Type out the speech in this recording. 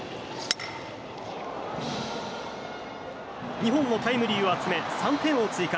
２本のタイムリーを集め３点を追加。